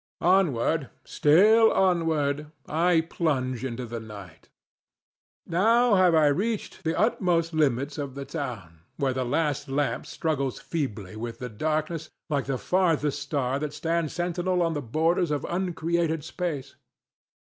Onward, still onward, I plunge into the night. Now have I reached the utmost limits of the town, where the last lamp struggles feebly with the darkness like the farthest star that stands sentinel on the borders of uncreated space.